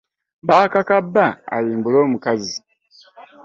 Baakaka bba ayimbule omukazi.